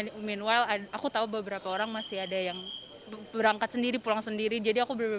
dan well aku tahu beberapa orang masih ada yang berangkat sendiri pulang sendiri jadi aku benar benar